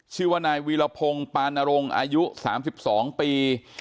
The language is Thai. ชื่อว่านายวีรพงศ์ปานรงอายุ๓๒ปี